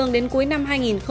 đến cuối năm hai nghìn hai mươi